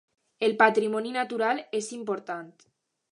El patrimoni natural és important.